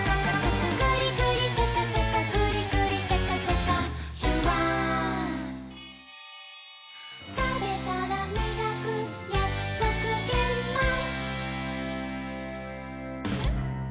「グリグリシャカシャカグリグリシャカシャカ」「シュワー」「たべたらみがくやくそくげんまん」